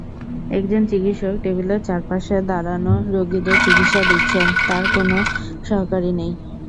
একজন চিকিৎসক টেবিলের চারপাশে দাঁড়ানো রোগীদের চিকিৎসা দিচ্ছেন, তাঁর কোনো সহকারী নেই।